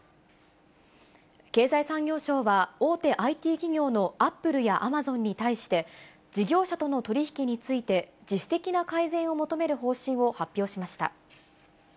経済産業省は、大手ＩＴ企業のアップルやアマゾンに対して、事業者との取り引きについて、自主的な改善を求める考えを発表しました。